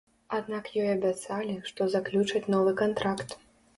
Аднак ёй абяцалі, што заключаць новы кантракт.